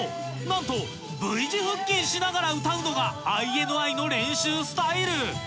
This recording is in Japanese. なんとＶ字腹筋しながら歌うのがＩＮＩの練習スタイル